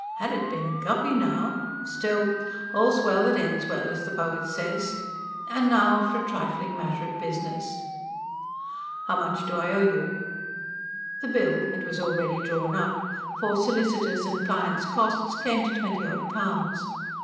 Had it been Guppy now ... Still, all's well that ends well, as the poet says. And now for a trifling matter of business." "How much do I owe you?" The bill it was already drawn up for "solicitor's and client's costs" came to twenty odd pounds.